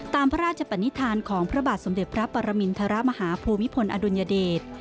ตามพระราชปนิษฐานของพระบาทสมเด็จพระปรมินทรมาฮาภูมิพลอดุลยเดช